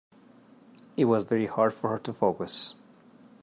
It was very hard for her to focus.